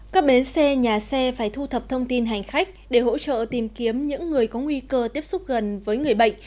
các bến xe nhà xe phải thu thập thông tin hành khách để hỗ trợ tìm kiếm những người có nguy cơ tiếp xúc gần với người bệnh